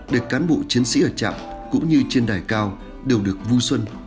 để cán bộ chiến sĩ ở trạm cũng như trên đài cao đều được vui xuân